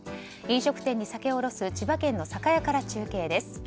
飲食店に酒を卸す、千葉県の酒屋から中継です。